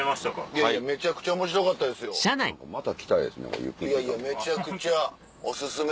いやいやめちゃくちゃお薦め。